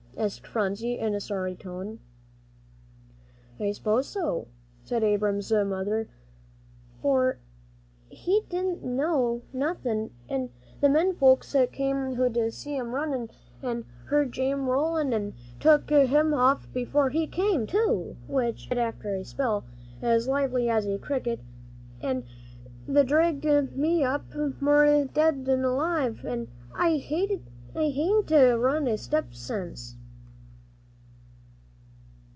asked Phronsie, in a sorry tone. "I s'pose so," said Abram's mother, "for he didn't know nothin', an' th' men folks came who'd seen me runnin' an' heard Jane hollerin' an' took him off before he came to, which he did after a spell, as lively as a cricket. An' they dragged me up, more dead'n alive, an' I hain't run a step since."